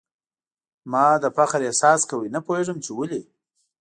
ما د فخر احساس کاوه ، نه پوهېږم چي ولي ؟